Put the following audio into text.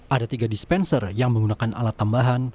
ada tiga dispenser yang menggunakan alat tambahan